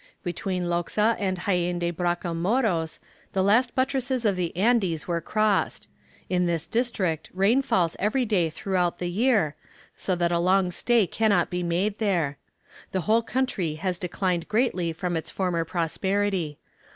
Between Loxa and Jaen de Bracamoros the last buttresses of the Andes are crossed. In this district rain falls every day throughout the year, so that a long stay cannot be made there. The whole country has declined greatly from its former prosperity.